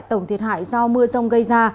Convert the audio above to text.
tổng thiệt hại do mưa rông gây ra